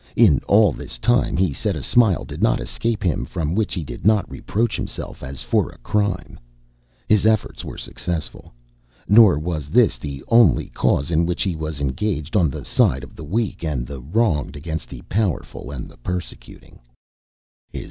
In all this time, he said, a smile did not escape him for which he did not reproach himself as for a crime. His efforts were successful. Nor was this the only cause in which he was engaged on the side of the weak and the wronged against the powerful and the persecuting.